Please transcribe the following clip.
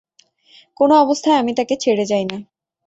কোন অবস্থায় আমি তাঁকে ছেড়ে যাই না।